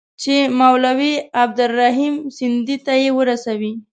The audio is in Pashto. چي مولوي عبدالرحیم سندي ته یې ورسوي.